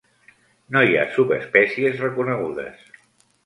No hi ha subespècies reconegudes.